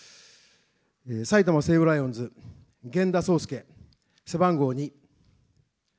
埼玉西武ライオンズ、源田壮亮、背番号２。